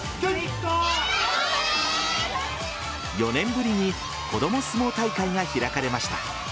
４年ぶりに子ども相撲大会が開かれました。